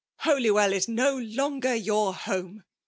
Holywell is no longer your hone!